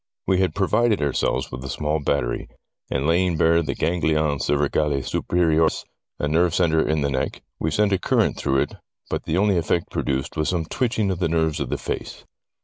We had provided ourselves with a small battery, and, lay ing bare the ganglion cervicale superius, a nerve centre in the neck, we sent a current through it, but the only effect produced was some twitching of the nerves of the face.